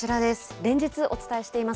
連日お伝えしています